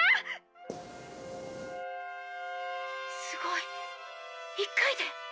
すごい１回で。